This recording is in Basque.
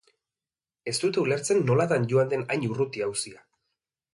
Ez dute ulertzen nolatan joan den hain urruti auzia.